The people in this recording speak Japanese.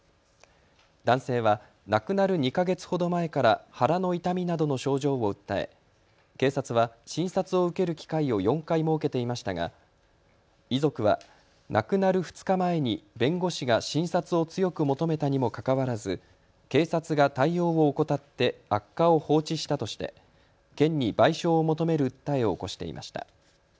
男性は亡くなる２か月ほど前から腹の痛みなどの症状を訴え警察は診察を受ける機会を４回設けていましたが遺族は亡くなる２日前に弁護士が診察を強く求めたにもかかわらず警察が対応を怠って悪化を放置したとして県に賠償を求める訴えを起こしていました。